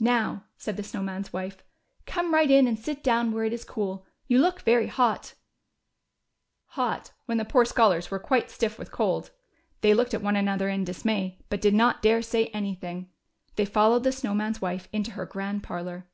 Noav," said the SnoAV Man's AAufe, come right in and sit down where it is cool — you look very hot." THE SILVER HEN. 267 Hot/' when the poor scholars were quite stiff with cold. They looked at one another in dismay, but did not dare say anything. They followed the Snow Man's wife into her grand parlor.